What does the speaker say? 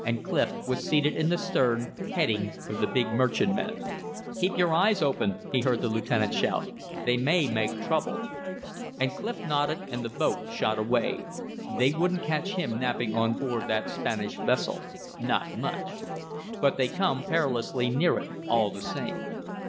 And Clif was seated in the stern, heading for the big merchantman. "Keep your eyes open," he heard the lieutenant shout. "They may make trouble." And Clif nodded and the boat shot away. They wouldn't catch him napping on board that Spanish vessel not much! But they come perilously near it all the same.